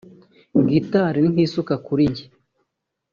“Guitar ni nk’isuka kuri njye